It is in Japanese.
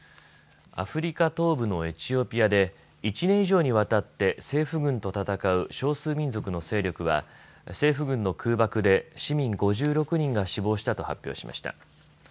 アフリカ東部のエチオピアで１年以上にわたって政府軍と戦う少数民族の勢力は政府軍の空爆で市民５６人が死亡したと発表しました。